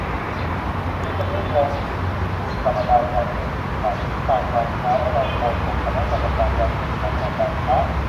- วิษณุ วงศ์สินศิริกุล กรรมการการแข่งขันทางการค้า และรองโฆษกคณะกรรมการการแข่งขันทางการค้า